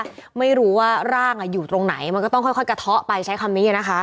ก็ไม่รู้ว่าร่างอยู่ตรงไหนมันก็ต้องค่อยกระเทาะไปใช้คำนี้นะคะ